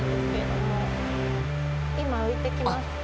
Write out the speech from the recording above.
今浮いてきますかね。